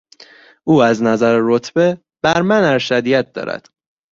او از نظر رتبه بر من ارشدیت دارد.